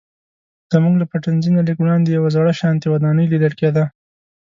زموږ له پټنځي نه لږ وړاندې یوه زړه شانتې ودانۍ لیدل کیده.